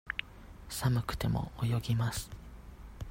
寒くても、泳ぎます。